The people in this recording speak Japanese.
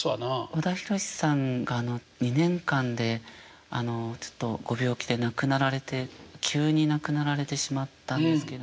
和田弘さんが２年間でちょっとご病気で亡くなられて急に亡くなられてしまったんですけど。